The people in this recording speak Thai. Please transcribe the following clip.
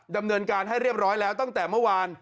ดำเนินการให้เรียบร้อยแล้วตั้งแต่เมื่อวาน